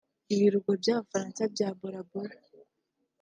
Ibirwa by’Abafaransa bya Bora Bora